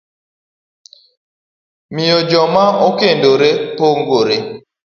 miyo joma okendore pogore.